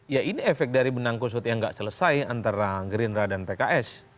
ya ini efek dari benang kusut yang nggak selesai antara gerindra dan pks